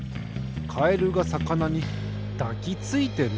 カエルがさかなにだきついてる？